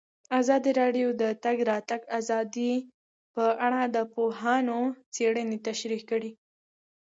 ازادي راډیو د د تګ راتګ ازادي په اړه د پوهانو څېړنې تشریح کړې.